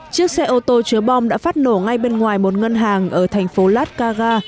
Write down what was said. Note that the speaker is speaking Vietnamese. chiếc xe ô tô chứa bom đã phát nổ ngay bên ngoài một ngân hàng ở thành phố latkaga